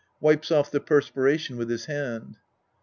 {Wipes off the perspiration with his hand.)